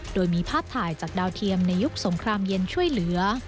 โดยมีภาพถ่ายจากดาวเทียมในยุคสงครามเย็นช่วยเหลือ